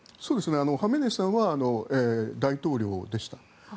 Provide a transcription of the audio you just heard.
ハメネイさんは大統領でした。